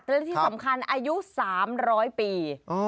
และที่สำคัญอายุ๓๐๐ปี